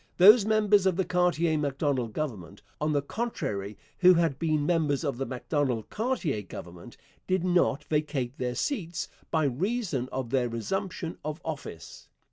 Those members of the Cartier Macdonald Government, on the contrary, who had been members of the Macdonald Cartier Government, did not vacate their seats by reason of their resumption of office.